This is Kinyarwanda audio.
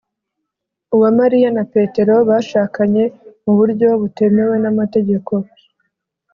uwamariya na petero bashakanye mu buryo butemewe n’amategeko.